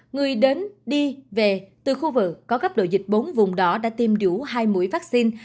người đến đi về từ khu vực có góc độ dịch bốn vùng đỏ đã tiêm đủ hai mũi vaccine